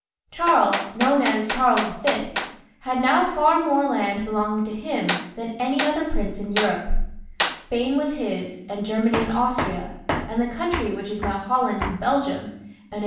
Charles, known as Charles V., had now far more land belonging to him than aiiy other prince in Europe. Spain was his, and Germany and Austria, and the country which is now Holland and Belgium, and a 238 FRANCIS I.